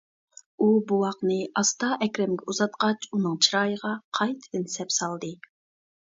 ئۇ بوۋاقنى ئاستا ئەكرەمگە ئۇزاتقاچ ئۇنىڭ چىرايىغا قايتىدىن سەپسالدى.